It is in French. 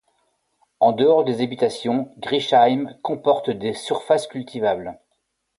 En dehors des habitations, Grißheim comporte des surfaces cultivables.